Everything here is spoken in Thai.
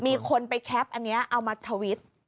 มีคนไปแคปอันนี้เอามาทวิต